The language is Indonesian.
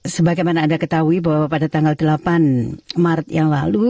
sebagaimana anda ketahui bahwa pada tanggal delapan maret yang lalu